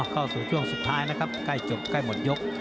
เข้าสู่ช่วงสุดท้ายนะครับใกล้จบใกล้หมดยก